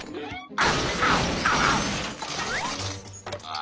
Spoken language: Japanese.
あ！